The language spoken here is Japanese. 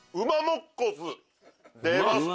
出ました